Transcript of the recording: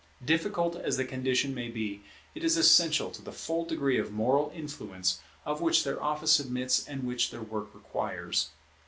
Difficult as the condition may be, it is essential to the full degree of moral influence of which their office admits and which their work requires.